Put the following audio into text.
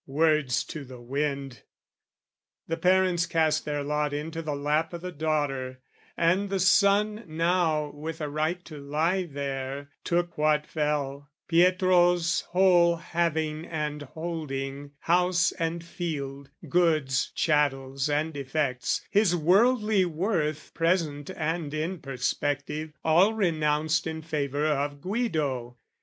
Words to the wind! The parents cast their lot Into the lap o' the daughter: and the son Now with a right to lie there, took what fell, Pietro's whole having and holding, house and field, Goods, chattels and effects, his worldly worth Present and in perspective, all renounced In favour of Guido.